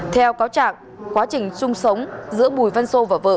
theo cáo trạng quá trình sung sống giữa bùi văn sô và vợ